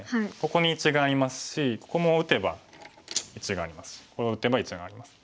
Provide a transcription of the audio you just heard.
ここに１眼ありますしここも打てば１眼ありますしここ打てば１眼あります。